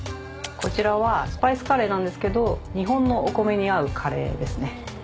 こちらはスパイスカレーなんですけど日本のお米に合うカレーですね。